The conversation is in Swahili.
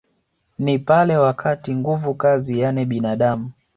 Ni pale wakati nguvu kazi yani binadamu